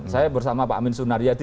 saya bersama pak amin sunaryati